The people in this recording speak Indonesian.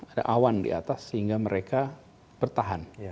ada awan di atas sehingga mereka bertahan